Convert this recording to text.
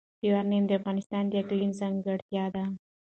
یورانیم د افغانستان د اقلیم ځانګړتیا ده.